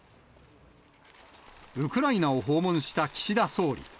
ウクライナを訪問した岸田総理。